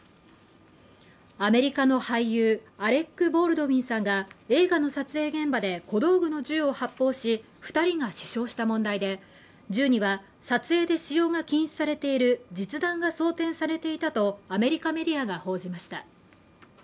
アメリカの俳優アレック・ボールドウィンさんが映画の撮影現場で小道具の銃を発砲し二人が死傷した問題で中には撮影で使用が禁止されている実弾が装填されていたとアメリカメディアが報じました